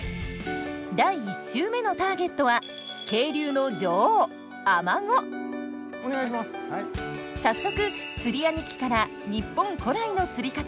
第１週目のターゲットは早速釣り兄貴から日本古来の釣り方